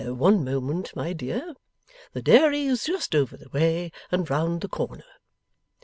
One moment, my dear. The Dairy is just over the way and round the corner.